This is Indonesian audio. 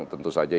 tentu saja itu ada